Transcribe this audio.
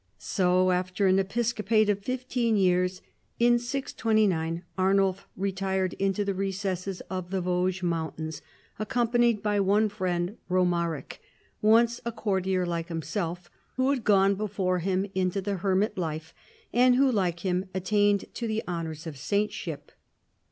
So after an episcopate of fifteen years, in 629 Arnulf retii ed into the recesses of the Vosges moun tains, accompanied by one friend, Romaric, once a courtier like himself, who had gone before him into the hermit life, and who, like him, attained to the honors of saintship.